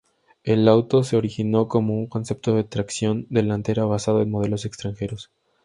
El auto se originó como un concepto de tracción delantera basado en modelos extranjeros.